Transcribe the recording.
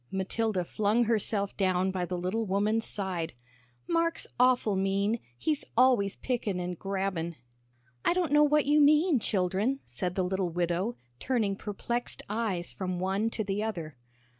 Matilda flung herself down by the little woman's side. "Mark's awful mean he's always pickin' and grabbin'." "I don't know what you mean, children," said the little widow, turning perplexed eyes from one to the other.